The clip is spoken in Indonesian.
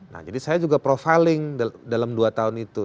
nah jadi saya juga profiling dalam dua tahun itu